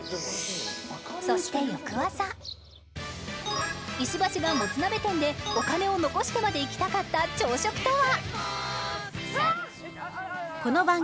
そして翌朝石橋がもつ鍋店でお金を残してまで行きたかった朝食とは？